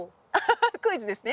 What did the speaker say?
クイズですね？